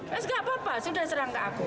ya nggak apa apa sudah serang ke aku